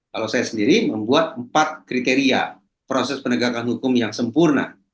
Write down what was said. kalau saya sendiri membuat empat kriteria proses penegakan hukum yang sempurna